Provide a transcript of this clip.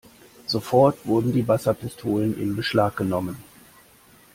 Sofort wurden die Wasserpistolen in Beschlag genommen.